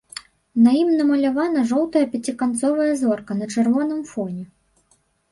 На ім намаляваная жоўтая пяціканцовая зорка на чырвоным фоне.